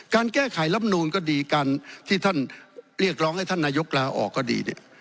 การแก้ไขลำนูนก็ดีการที่ท่านเรียกร้องให้ท่านนายกลาออกก็ดีเนี่ย